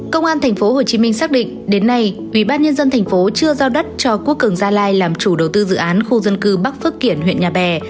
công an tp hcm xác định đến nay ubnd tp chưa giao đất cho quốc cường gia lai làm chủ đầu tư dự án khu dân cư bắc phước kiển huyện nhà bè